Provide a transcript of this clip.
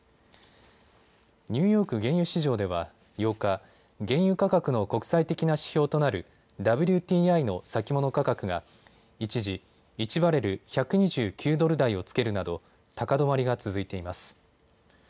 ニューヨーク原油市場では８日、原油価格の国際的な指標となるＷＴＩの先物価格が一時、１バレル１２９ドル台をつけるなど高止まりが続いています。